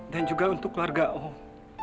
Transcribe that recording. dan juga untuk keluarga om